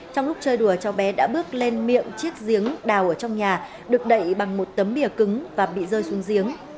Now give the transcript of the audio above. trong lúc chơi đùa cháu bé đã bước lên miệng chiếc giếng đào ở trong nhà được đậy bằng một tấm bia cứng và bị rơi xuống giếng